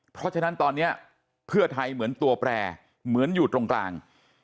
เพราะฉะนั้นตอนนี้เพื่อไทยเหมือนตัวแปรเหมือนอยู่ตรงกลาง